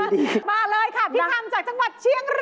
มาเลยค่ะพี่คำจากจังหวัดเชียงราย